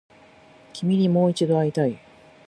君にもう一度会いたい